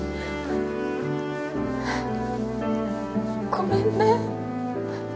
ごめんね。